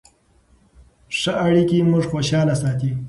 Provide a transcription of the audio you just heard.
ښه اړیکې موږ خوشحاله ساتي.